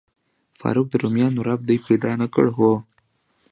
فاروق، د روميانو رب دې پیدا نه کړ؟ هو.